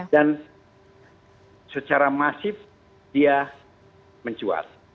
secara masif dia mencuat